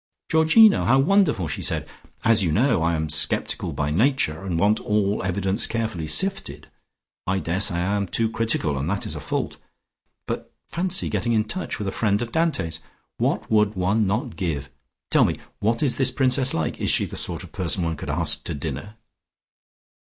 "Georgino! How wonderful!" she said. "As you know, I am sceptical by nature, and want all evidence carefully sifted. I daresay I am too critical, and that is a fault. But fancy getting in touch with a friend of Dante's! What would one not give? Tell me: what is this Princess like? Is she the sort of person one could ask to dinner?"